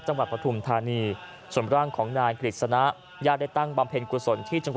เมื่อเพิร์นทานกลางของนายกฤษณะยาได้ตั้งบำเพ็ญกุศลที่